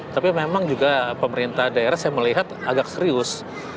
tapi memang juga pemerintah daerah saya melihat agak serius